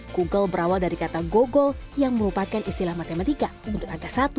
google berawal dari kata gogol yang merupakan istilah matematika untuk angka satu